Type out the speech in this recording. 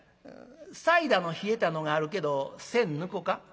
サイダーの冷えたのがあるけど栓抜こか？」。